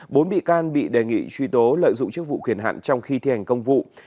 bốn bị can bị đề nghị truy tố lợi dụng chức vụ quyền hạn trong khi thi hành công vụ